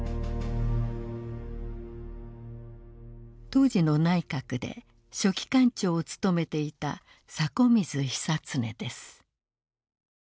当時の内閣で書記官長を務めていた迫水久常です。